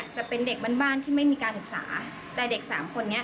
ถ้าจะมีเพศสัมพันธ์กับเธอต้องใช้ตังค์เท่าไหร่อะไรอย่างนี้ค่ะ